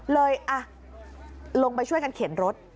เลยลงไปช่วยกันเข็นรถ